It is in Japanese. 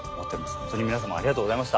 本当に皆様ありがとうございました。